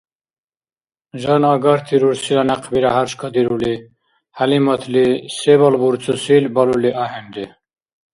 Жан агарти рурсила някъбира хӀяршкадирули, ХӀялиматли се балбурцусил балули ахӀенри.